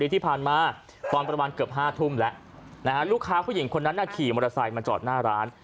ที่ผ่านมาตอนประมาณเกือบ๕ทุ่มแล้วลูกค้าผู้หญิงคนนั้นขี่มอเตอร์ไซค์มาจอดหน้าร้าน